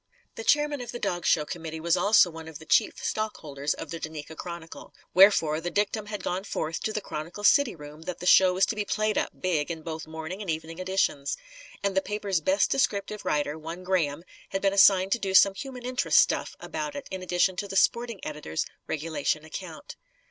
The chairman of the dog show committee was also one of the chief stockholders of the Duneka Chronicle. Wherefore, the dictum had gone forth to the Chronicle city room that the show was to be played up, big, in both morning and evening editions. And the paper's best descriptive writer, one Graham, had been assigned to do some "human interest stuff" about it, in addition to the sporting editor's regulation account.